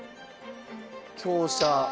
香車。